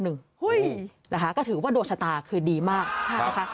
นะคะก็ถือว่าดวงชะตาคือดีมากนะคะ